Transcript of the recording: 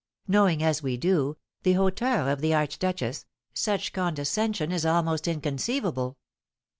Knowing, as we do, the hauteur of the archduchess, such condescension is almost inconceivable.